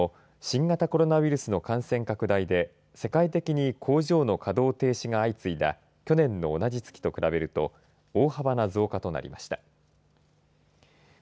各社とも新型コロナウイルスの感染拡大で世界的に工場の稼働停止が相次いだ去年の同じ月と比べると大幅な増加となりました。